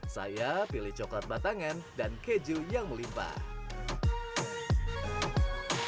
saya pilih coklat batangan dan keju yang melimpah